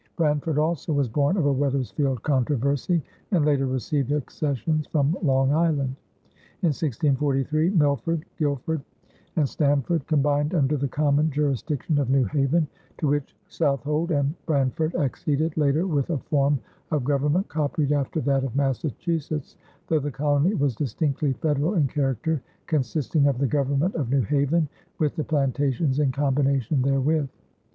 Branford also was born of a Wethersfield controversy and later received accessions from Long Island. In 1643, Milford, Guilford, and Stamford combined under the common jurisdiction of New Haven, to which Southold and Branford acceded later with a form of government copied after that of Massachusetts, though the colony was distinctly federal in character, consisting of "the government of New Haven with the plantations in combination therewith."